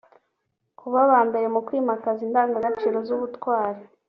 kuba abambere mu kwimakaza indangagaciro z’ubutwari